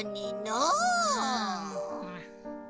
うん。